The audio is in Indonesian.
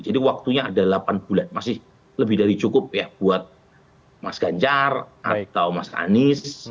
jadi waktunya ada delapan bulan masih lebih dari cukup ya buat mas ganjar atau mas anies